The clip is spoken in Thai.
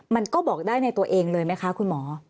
มันก็บอกได้ในตัวเองเลยไหมคะคุณหมอ